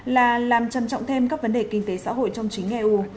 là làm trầm trọng thêm các vấn đề kinh tế xã hội trong chính eu